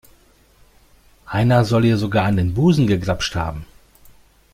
Einer soll ihr sogar an den Busen gegrapscht haben.